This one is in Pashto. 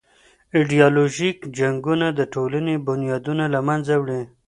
ایډیالوژیک جنګونه د ټولني بنیادونه له منځه وړي.